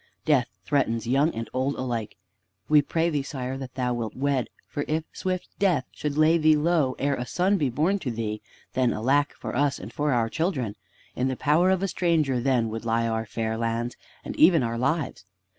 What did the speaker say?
Death threatens young and old alike. We pray thee, sire, that thou wilt wed, for if swift death should lay thee low ere a son be born to thee, then alack for us and for our children! In the power of a stranger then would lie our fair lands and even our lives.